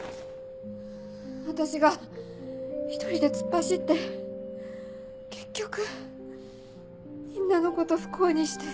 私が一人で突っ走って結局みんなのこと不幸にして。